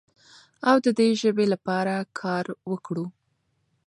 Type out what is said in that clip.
او د دې ژبې لپاره کار وکړو.